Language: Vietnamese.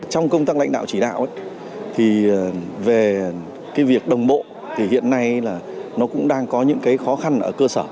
trong công tác lãnh đạo chỉ đạo thì về cái việc đồng bộ thì hiện nay là nó cũng đang có những cái khó khăn ở cơ sở